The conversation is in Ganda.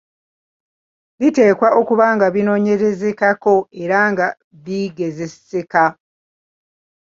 Biteekwa okuba nga binoonyerezekekako era nga bigezeseka.